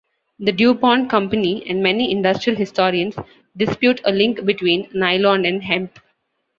The DuPont Company and many industrial historians dispute a link between nylon and hemp.